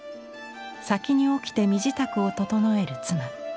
先に起きて身支度を整える妻。